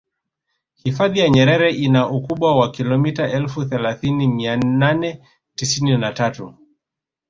hifadhi ya nyerere ina ukubwa wa kilomita elfu thelathini mia nane tisini na tatu